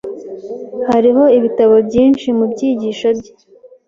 Hariho ibitabo byinshi mubyigisho bye.